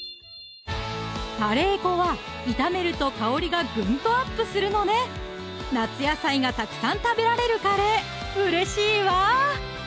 カレー粉は炒めると香りがグンとアップするのね夏野菜がたくさん食べられるカレーうれしいわ！